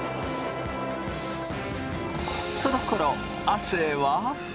そのころ亜生は？